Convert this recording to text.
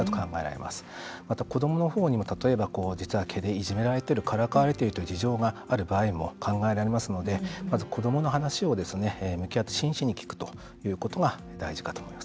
また子どもの方にも例えば毛でいじめているからかわれているという事情も考えられますので子どもの話を向き合って真摯に聞くということが大事かと思います。